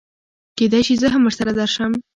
کېدی شي زه هم ورسره درشم